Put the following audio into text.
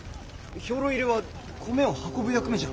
兵糧入れは米を運ぶ役目じゃろ？